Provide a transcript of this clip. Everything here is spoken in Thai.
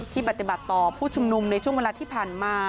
ปฏิบัติต่อผู้ชุมนุมในช่วงเวลาที่ผ่านมา